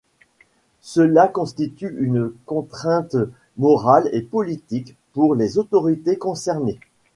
Cela constitue une contrainte morale et politique pour les autorités concernées.